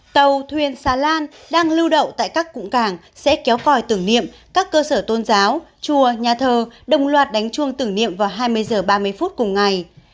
tàu thuyền xa lan đang lưu đậu tại các cụng cảng sẽ kéo còi tử nghiệm các cơ sở tôn giáo chùa nhà thờ đồng loạt đánh chuông tử nghiệm vào hai mươi h ba mươi phút cùng ngày